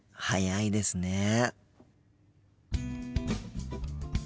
早いですね。